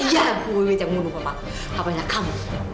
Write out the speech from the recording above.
ya bu wiwid yang bunuh papanya papanya kamu